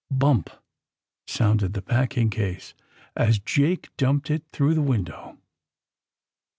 Bump! sounded the packing case, as Jake dumped it in through the window.